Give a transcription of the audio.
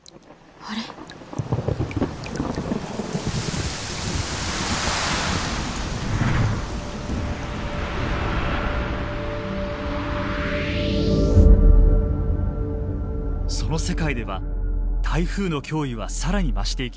その世界では台風の脅威は更に増していきます。